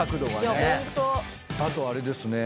あとあれですね。